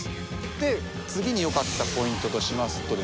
で次に良かったポイントとしますとですね